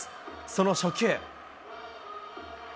その初球。